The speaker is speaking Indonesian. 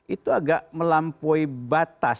itu agak melampaui batas